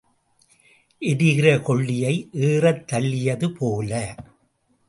எரிகிற கொள்ளியை ஏறத் தள்ளியது போல.